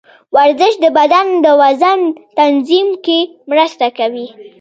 ورزش د بدن د وزن تنظیم کې مرسته کوي.